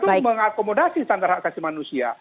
viva itu mengakomodasi standar hak asasi manusia